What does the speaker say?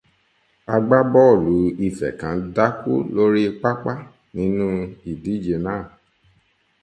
Agbábọ́ọ̀lù Ifẹ̀ kan dákú lórí pápá nínú ìdíje náà.